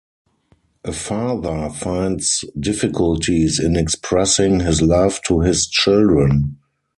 A father finds difficulties in expressing his love to his children.